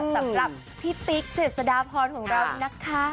สำหรับพี่ติ๊กเจษฎาพรของเรานี่นะคะ